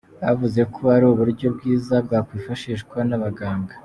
Bavuze ko ari uburyo bwiza bwakwifashishwa n’abaganga.